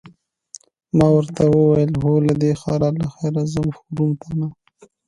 ما ورته وویل: هو، له دې ښاره له خیره ځم، خو روم ته نه.